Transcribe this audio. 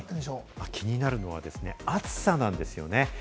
気になるのは暑さなんですね。